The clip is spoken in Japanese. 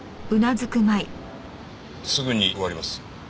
すぐに終わります。